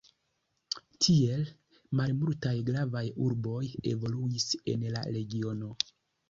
Tiel, malmultaj gravaj urboj evoluis en la regiono.